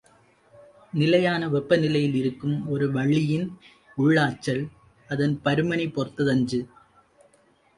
நிலையான வெப்பநிலையில் இருக்கும் ஒரு வளியின் உள்ளாற்றல் அதன் பருமனைப் பொறுத்ததன்று.